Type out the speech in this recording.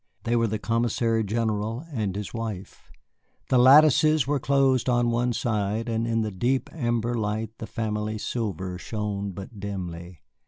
They were the Commissary general and his wife. The lattices were closed on one side, and in the deep amber light the family silver shone but dimly.